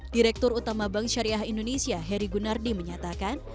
direktur utama bank syariah indonesia heri gunardi menyatakan